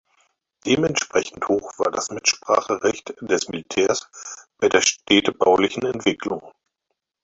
Dementsprechend hoch war das Mitspracherecht des Militärs bei der städtebaulichen Entwicklung.